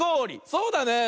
そうだね。